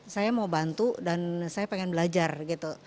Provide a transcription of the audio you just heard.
saya mau bantu dan saya pengen belajar gitu